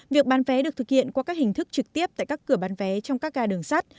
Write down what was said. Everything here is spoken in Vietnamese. việc bán vé được thực hiện qua các hình thức trực tiếp tại các cửa bán vé trong các gà đường sắt